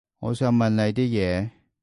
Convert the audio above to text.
我想問你啲嘢